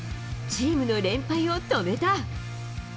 チームの連敗を止めた。